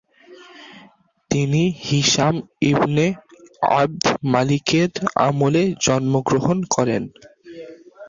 তিনি Hisham ibn আবদ-মালিকের আমলে জন্মগ্রহণ করেন।